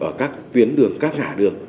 ở các tuyến đường các ngã đường